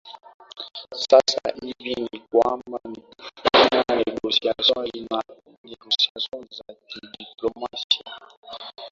sasa hivi ni kwamba ni kufanya negotiation za kidiplomasia